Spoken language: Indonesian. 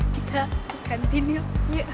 cika ganti nih yuk